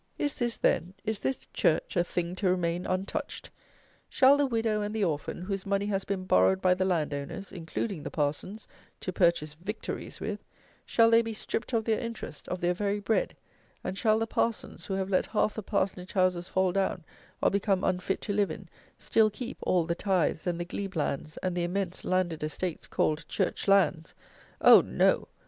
Is this, then, is this "church" a thing to remain untouched? Shall the widow and the orphan, whose money has been borrowed by the land owners (including the Parsons) to purchase "victories" with; shall they be stripped of their interest, of their very bread, and shall the Parsons, who have let half the parsonage houses fall down or become unfit to live in, still keep all the tithes and the glebe lands and the immense landed estates, called Church Lands? Oh, no!